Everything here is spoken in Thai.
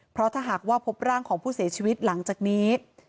เพราะถ้าหากว่าพบร่างของผู้เสียชีวิตหลังจากนี้